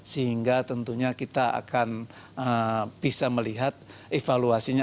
sehingga tentunya kita akan bisa melihat evaluasinya